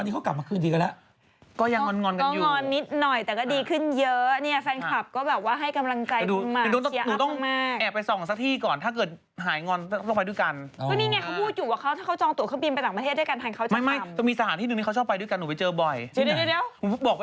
เหมือนว่าเขาไม่ได้เป็นแฟนกันไงเขาก็เปิดตัวอีก